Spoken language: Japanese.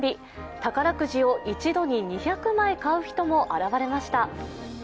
宝くじを一度に２００枚買う人も現れました。